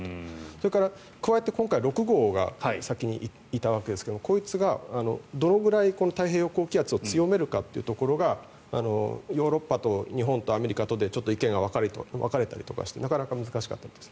それから加えて今回６号が先にいたわけですがこいつがどのくらい太平洋高気圧を強めるかというところがヨーロッパと日本とアメリカとでちょっと意見が分かれたりとかしてなかなか難しかったんです。